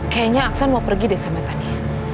kayaknya aksan mau pergi deh sama tanya